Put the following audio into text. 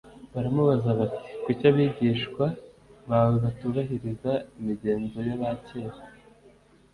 baramubaza bati kuki abigishwa bawe batubahiriza imigenzo y aba kera